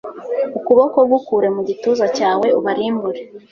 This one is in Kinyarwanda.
ukuboko gukure mu gituza cyawe ubarimbure